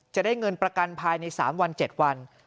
จะได้เงินประกันภายใน๓วัน๗วัน